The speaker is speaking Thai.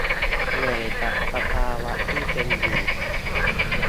เหนื่อยกับสภาวะที่เป็นอยู่